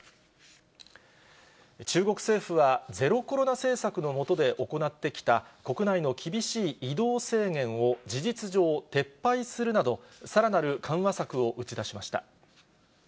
中国政府は、ゼロコロナ政策の下で行ってきた国内の厳しい移動制限を事実上、撤廃するなど、さらなる緩和策を打ち出しました。